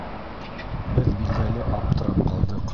Беҙ, билдәле, аптырап ҡалдыҡ.